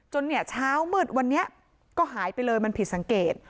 เนี่ยเช้ามืดวันนี้ก็หายไปเลยมันผิดสังเกต